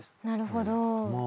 なるほど。